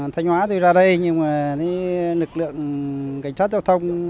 thành hóa tôi ra đây nhưng mà lực lượng cảnh sát giao thông